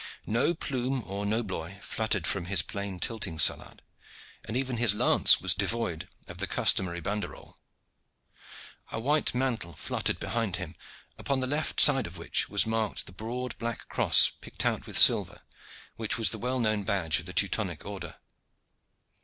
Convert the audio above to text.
No plume or nobloy fluttered from his plain tilting salade, and even his lance was devoid of the customary banderole. A white mantle fluttered behind him, upon the left side of which was marked the broad black cross picked out with silver which was the well known badge of the Teutonic Order.